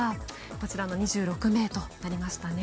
こちらの２６名となりましたね。